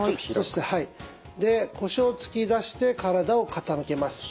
で腰を突き出して体を傾けます。